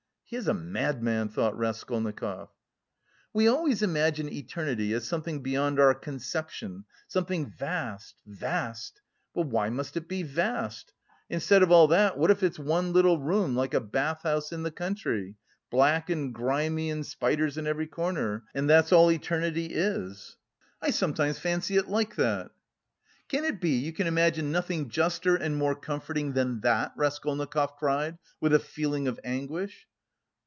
"He is a madman," thought Raskolnikov. "We always imagine eternity as something beyond our conception, something vast, vast! But why must it be vast? Instead of all that, what if it's one little room, like a bath house in the country, black and grimy and spiders in every corner, and that's all eternity is? I sometimes fancy it like that." "Can it be you can imagine nothing juster and more comforting than that?" Raskolnikov cried, with a feeling of anguish.